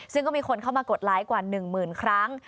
ซึ่งก็มีคนเข้ามากดไลค์กว่า๑หมื่นครั้ง